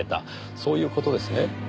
そういう事ですね？